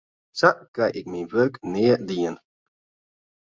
Sa krij ik myn wurk nea dien.